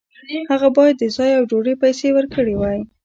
هغه باید د ځای او ډوډۍ پیسې ورکړې وای.